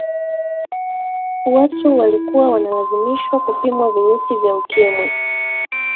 watu walikuwa wanalazimishwa kupimwa virusi vya ukimwi